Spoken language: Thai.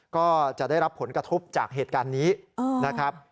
ก็จะได้รับผลกระทบจากเหตุการณ์นี้นะครับ